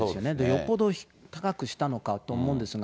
よっぽど高くしたのかと思うんですが。